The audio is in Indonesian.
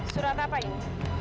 surat apa ini